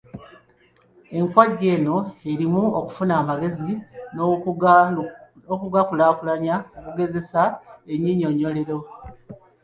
Enkwajja eno erimu okufuna amagezi n’okugakulaakulanya, okugezesa ennyinnyonnyolero ezituyamba okutegeera n’okuyungulula obukwatane obubaawo.